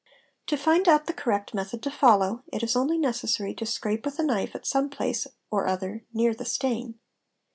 To find out the correct — method to follow, it is only necessary to scrape with a knife at some i place or other near the stain.